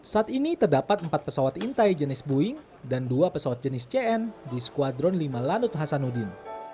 saat ini terdapat empat pesawat intai jenis boeing dan dua pesawat jenis cn di skuadron lima lanut hasanuddin